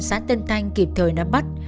xã tân thanh kịp thời đáp bắt